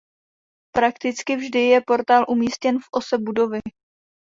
Prakticky vždy je portál umístěn v ose budovy.